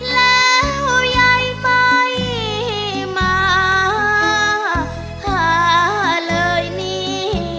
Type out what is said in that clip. แล้วยายไม่มาหาเลยนี่